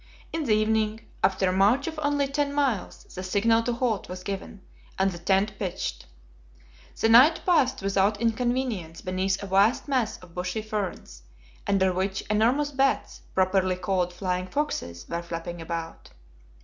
In the evening, after a march of only ten miles, the signal to halt was given, and the tent pitched. The night passed without inconvenience beneath a vast mass of bushy ferns, under which enormous bats, properly called flying foxes, were flapping about.